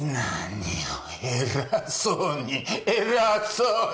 何を偉そうに偉そうに！